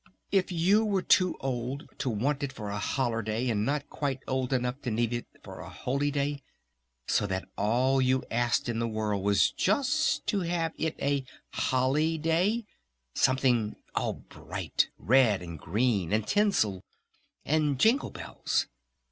"If you were too old to want it for a 'holler' day and not quite old enough to need it for a holy day ... so that all you asked in the world was just to have it a holly day! Something all bright! Red and green! And tinsel! and jingle bells!...